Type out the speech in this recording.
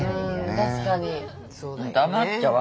確かに。